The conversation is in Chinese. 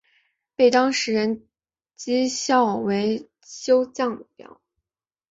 被当时的人讥笑为世修降表。